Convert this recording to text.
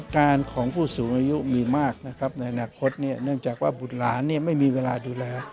การของผู้สูงอายุมีมากนะครับในอนาคตเนื่องจากว่าบุตรหลานไม่มีเวลาดูแล